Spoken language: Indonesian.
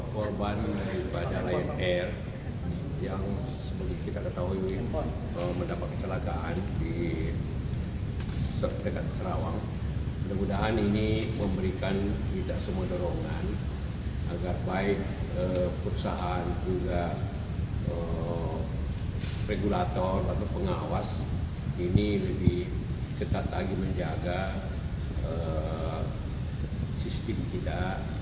kepada kecelakaan di serdekat karawang mudah mudahan ini memberikan tidak semua dorongan agar baik perusahaan juga regulator atau pengawas ini lebih ketat lagi menjaga sistem kita